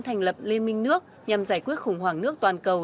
thành lập liên minh nước nhằm giải quyết khủng hoảng nước toàn cầu